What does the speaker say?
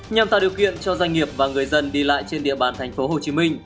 nhằm tạo điều kiện cho doanh nghiệp và người dân đi lại trên địa bàn thành phố hồ chí minh